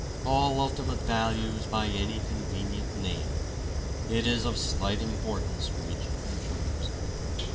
Call ultimate values by any convenient name, it is of slight importance which you choose.